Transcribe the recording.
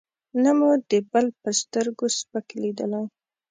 نه مو د بل په سترګو سپک لېدلی.